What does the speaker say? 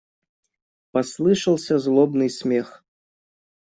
Послышался злобный смех.